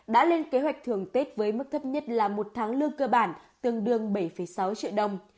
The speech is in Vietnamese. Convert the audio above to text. đã lên kế hoạch thường tết với mức thấp nhất là một tháng lương cơ bản tương đương bảy sáu triệu đồng